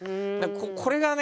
これがね